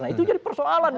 nah itu jadi persoalan